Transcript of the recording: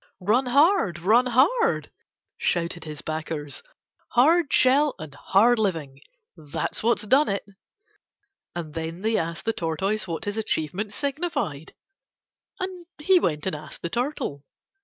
"Run hard. Run hard," shouted his backers. "Hard shell and hard living: that's what has done it." And then they asked the Tortoise what his achievement signified, and he went and asked the Turtle.